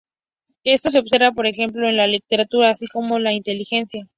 Esto se observa, por ejemplo, en la lectura, así como en la inteligencia.